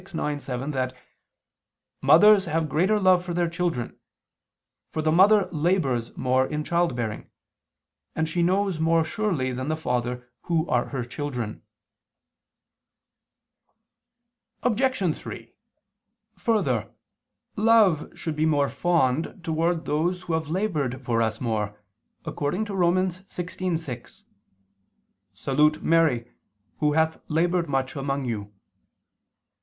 ix, 7) that "mothers have greater love for their children. For the mother labors more in child bearing, and she knows more surely than the father who are her children." Obj. 3: Further, love should be more fond towards those who have labored for us more, according to Rom. 16:6: "Salute Mary, who hath labored much among you."